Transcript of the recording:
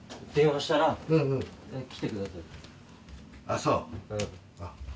あっそう。